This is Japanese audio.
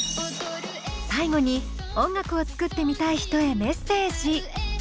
最後に音楽を作ってみたい人へメッセージ。